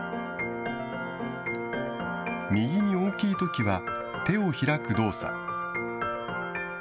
右に大きいときは手を開く動作。